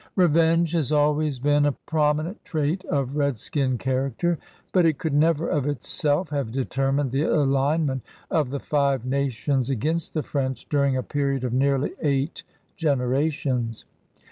, Revenge has always been a prominent trait of redskin character, but it could never of itself have determined the alignment of the Five Nations against the French during a period of nearly eight generations.